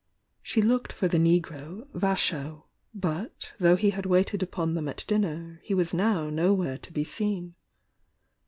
She looked for the negro, Vasho, but though he had waited upon them at dinner he was now nowhere to be seen.